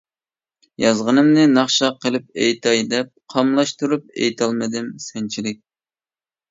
يازغىنىمنى ناخشا قىلىپ ئېيتاي دەپ، قاملاشتۇرۇپ ئېيتالمىدىم سەنچىلىك.